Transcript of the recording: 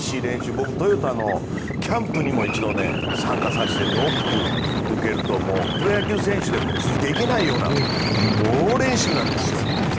僕、トヨタのキャンプにも一度参加してノック受けるとプロ野球選手でもついていけないような猛練習なんですよ。